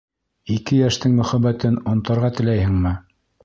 Ике йәштең мөхәббәтен онтарға теләйһеңме?